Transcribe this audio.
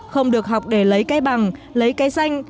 không được học để lấy cây bằng lấy cây xanh